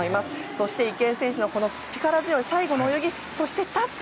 そして池江選手の力強い最後の泳ぎそして、タッチ。